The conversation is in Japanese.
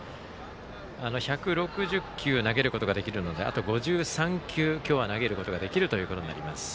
１６０球を投げることができるのであと５３球、今日は投げることができるということになります。